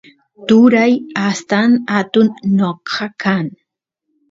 turay astan atun noqa kan